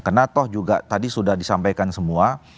karena toh juga tadi sudah disampaikan semua